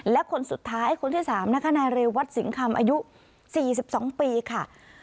และคนสุดท้ายคนที่๓นะคะนายเรวัตสิงคำอายุ๔๒ปีค่ะ